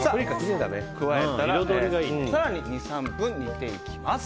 加えたら更に２３分煮ていきます。